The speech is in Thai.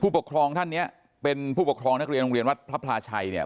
ปกครองท่านเนี้ยเป็นผู้ปกครองนักเรียนโรงเรียนวัดพระพลาชัยเนี่ย